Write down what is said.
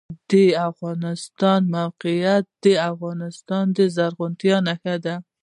د افغانستان موقعیت د افغانستان د زرغونتیا نښه ده.